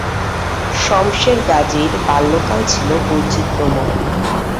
শমসের গাজীর বাল্যকাল ছিল বৈচিত্র্যময়।